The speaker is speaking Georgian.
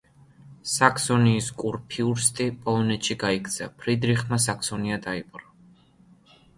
საქსონიის კურფიურსტი პოლონეთში გაიქცა, ფრიდრიხმა საქსონია დაიპყრო.